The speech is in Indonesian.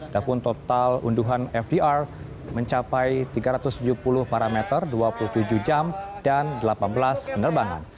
dapun total unduhan fdr mencapai tiga ratus tujuh puluh parameter dua puluh tujuh jam dan delapan belas penerbangan